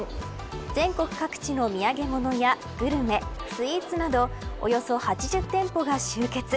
全国各地の土産物やグルメ、スイーツなどおよそ８０店舗が集結。